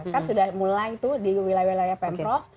kan sudah mulai tuh di wilayah wilayah pemprov